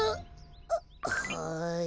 はい。